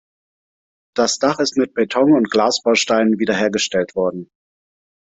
Das Dach ist mit Beton und Glasbausteinen wiederhergestellt worden.